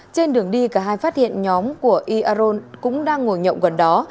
trên đường đi cả hai phát hiện nhóm của y aron cũng đang ngồi nhậu gần đó